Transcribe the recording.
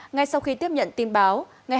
ngay sau khi tiếp nhận tin báo